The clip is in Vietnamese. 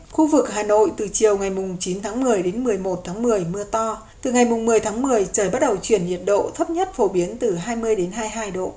khu vực hà nội từ chiều ngày chín tháng một mươi đến một mươi một tháng một mươi mưa to từ ngày một mươi tháng một mươi trời bắt đầu chuyển nhiệt độ thấp nhất phổ biến từ hai mươi đến hai mươi hai độ